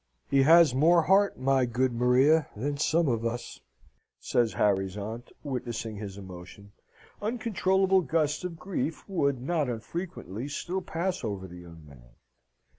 "He has more heart, my good Maria, than some of us!" says Harry's aunt, witnessing his emotion. Uncontrollable gusts of grief would, not unfrequently, still pass over our young man.